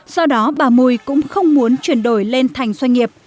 do đó bà mùi cũng không muốn chuyển đổi lên thành doanh nghiệp